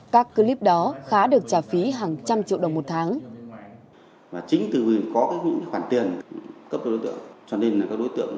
các clip đó khá được trả phép